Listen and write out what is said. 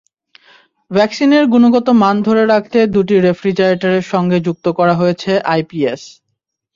ভ্যাকসিনের গুণগত মান ধরে রাখতে দুটি রেফ্রিজারেটর সঙ্গে যুক্ত করা হয়েছে আইপিএস।